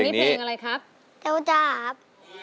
เพลงนี้ร้องได้มั้ยครับ